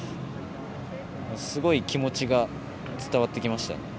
すごい気持ちが伝わってきましたね